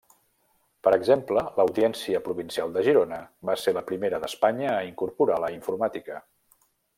Per exemple, l'Audiència Provincial de Girona va ser la primera d'Espanya a incorporar la informàtica.